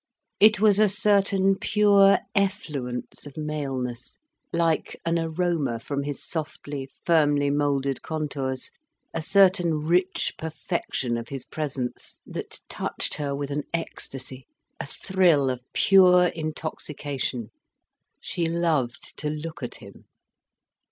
It was a certain pure effluence of maleness, like an aroma from his softly, firmly moulded contours, a certain rich perfection of his presence, that touched her with an ecstasy, a thrill of pure intoxication. She loved to look at him.